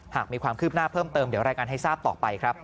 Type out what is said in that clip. หากมีความคืบหน้าเพิ่มเติมเดี๋ยวรายงานให้ทราบต่อไปครับ